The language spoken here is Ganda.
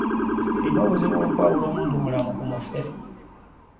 nnina obuzibu bw'okwawula omuntumulamu ku mufere.